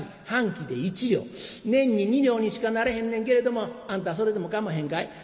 半期で１両年に２両にしかなれへんねんけれどもあんたそれでもかまへんかい？」。